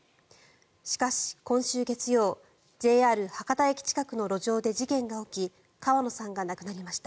しかし、今週月曜ＪＲ博多駅近くの路上で事件が起き川野さんが亡くなりました。